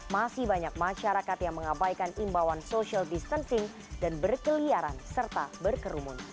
masih banyak masyarakat yang mengabaikan imbauan social distancing dan berkeliaran serta berkerumun